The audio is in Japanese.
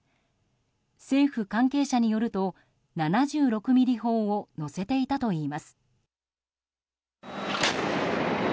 政府関係者によると７６ｍｍ砲を載せていたといいます。